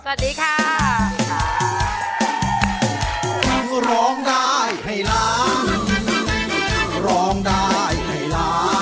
สวัสดีละครับ